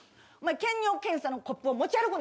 検尿検査のコップを持ち歩くな！